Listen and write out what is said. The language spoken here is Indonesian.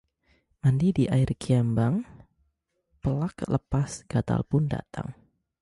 Mandi di air kiambang, pelak lepas gatalpun datang